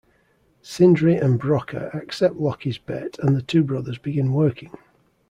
Sindri and Brokkr accept Loki's bet and the two brothers begin working.